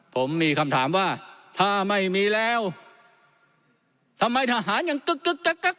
ผมมีคำถามว่าถ้าไม่มีแล้วทำไมทหารยังกึ๊กกึ๊กกักกัก